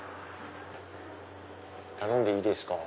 頼んでいいですか？